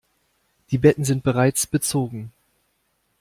Die Betten sind bereits bezogen.